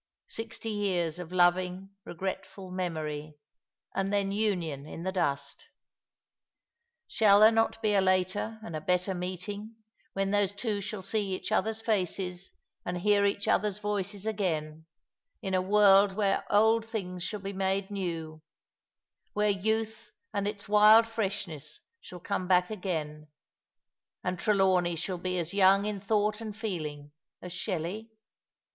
Sixty years of loving, regretful memory, and then union in the dust. Shall there not be a later and a better meeting, when those two shall see each other's faces and Ecco Roma. 253 hear each other's voices again, in a world where old things shall be made new, where youth and its wild freshness shall come back again, and Trelawney shall be as young in thought and feeling as Shelley